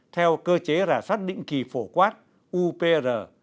theo cơ chế rà soát định kỳ phổ quát upr